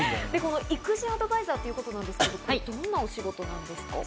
育児アドバイザーということなんですけど、どんなお仕事ですか？